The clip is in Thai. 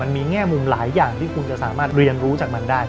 แง่มุมหลายอย่างที่คุณจะสามารถเรียนรู้จากมันได้